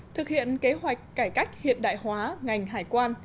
thực hiện kế hoạch cải cách hiện đại hóa ngành hải quan